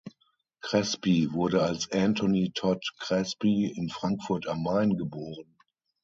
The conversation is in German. Crespi wurde als Anthony Todd Crespi in Frankfurt am Main geboren.